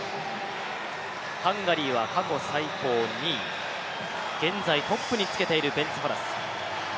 ハンガリーは過去最高２位、現在トップにつけているベンツェ・ホラス。